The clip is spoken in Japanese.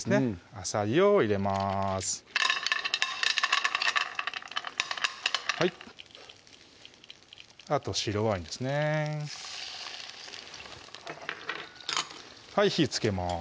あさりを入れますあと白ワインですねはい火つけます